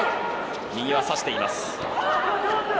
右は差しています。